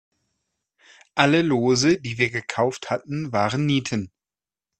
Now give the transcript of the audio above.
Alle Lose, die wir gekauft hatten, waren Nieten.